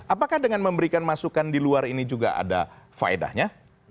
apakah dengan memberikan masukan di luar ini juga ada faedahnya